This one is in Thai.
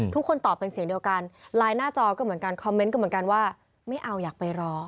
ทุกคนตอบเป็นเสียงเดียวกันไลน์หน้าจอก็เหมือนกันคอมเมนต์ก็เหมือนกันว่าไม่เอาอยากไปรอ